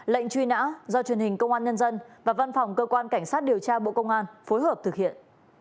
lệnh truy nã do truyền hình công an nhân dân và văn phòng cơ quan cảnh sát điều tra bộ công an phối hợp thực hiện